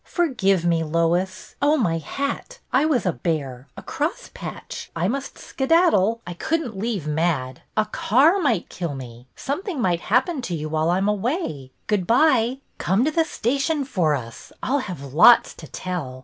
'' Forgive me, Lois. Oh, my hat ! I was a bear, a crosspatch. I must skedaddle. I could n't 274 BETTY BAIRD'S VENTURES leave mad. A car might kill me. Something might happen to you while I 'm away. Good by ! Come to the station for us. I 'll have .lots to tell.